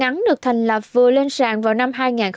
công ty được thành lập vừa lên sàn vào năm hai nghìn một mươi ba